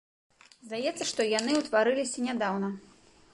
Здаецца, што яны ўтварыліся нядаўна.